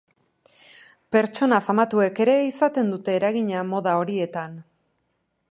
Pertsona famatuek ere izaten dute eragina moda horietan.